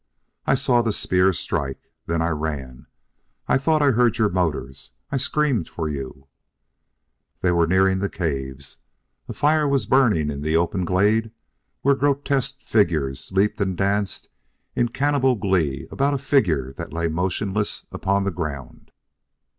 I saw the spear strike then I ran. I thought I heard your motors I screamed for you " They were nearing the caves. A fire was burning in the open glade where grotesque figures leaped and danced in cannibal glee about a figure that lay motionless upon the ground.